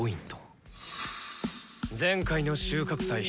前回の収穫祭